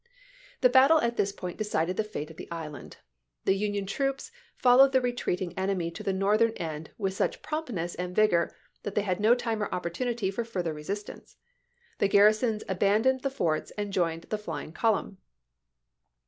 The battle at this point decided the fate of the island. The Union troops followed the retreating enemy to the northern end with such promptness and vigor that they had no time or opportunity for further resistance. The garrisons abandoned the forts and joined the flying column.